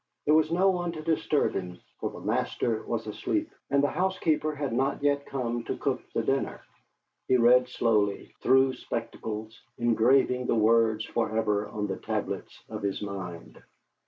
There was no one to disturb him, for the master was asleep, and the housekeeper had not yet come to cook the dinner. He read slowly, through spectacles, engraving the words for ever on the tablets of his mind.